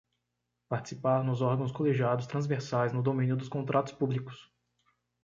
Participar nos órgãos colegiados transversais no domínio dos contratos públicos.